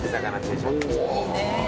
いいね。